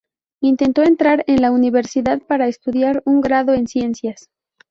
Intentó entrar en la Universidad para estudiar un grado en Ciencias.